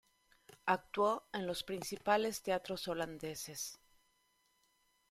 Actuó en los principales teatros holandeses.